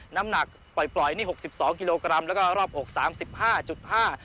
น้ำหนักปล่อยปล่อยนี่หกสิบสองกิโลกรัมแล้วก็รอบอกสามสิบห้าจุดห้า